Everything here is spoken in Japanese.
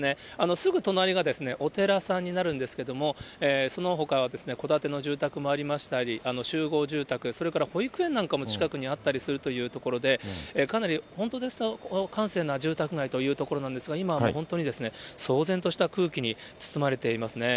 すぐ隣がお寺さんになるんですけども、そのほかは戸建ての住宅もありましたり、集合住宅、それから保育園なんかも近くにあったりするという所で、かなり本当ですと閑静な住宅街という所なんですが、今、本当に騒然とした空気に包まれていますね。